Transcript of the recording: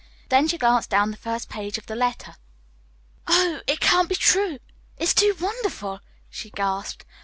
Then she glanced down the first page of the letter. "Oh, it can't be true! It's too wonderful!" she gasped.